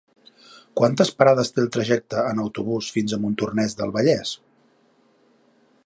Quantes parades té el trajecte en autobús fins a Montornès del Vallès?